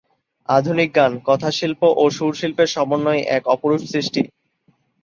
আধুনিক গান কথাশিল্প ও সুরশিল্পের সমন্বয়ে এক অপরূপ সৃষ্টি।